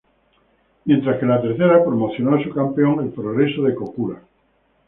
Mientras que la Tercera promocionó a su campeón, el Progreso de Cocula.